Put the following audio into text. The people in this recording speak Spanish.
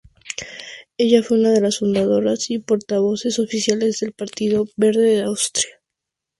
Ella fue una de las fundadoras y portavoces oficiales del Partido Verde de Austria.